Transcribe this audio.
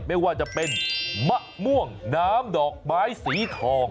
ไม่ว่าจะเป็นมะม่วงน้ำดอกไม้สีทอง